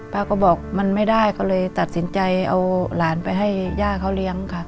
ป้าก็บอกมันไม่ได้ก็เลยตัดสินใจเอาหลานไปให้ย่าเขาเลี้ยงค่ะ